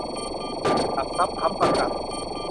หลักทรัพย์ค้ำประกัน